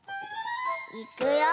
いくよ。